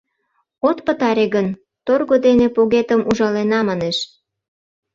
От пытаре гын, торго дене погетым ужалена, манеш.